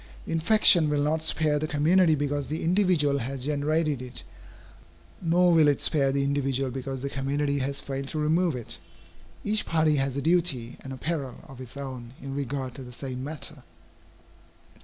The infection will not spare the community because the individual has generated it, nor will it spare the individual because the community has failed to remove it. Each party has a duty and a peril of its own in regard to the same matter.